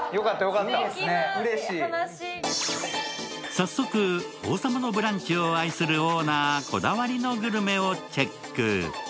早速「王様のブランチ」を愛するオーナーこだわりのグルメをチェック。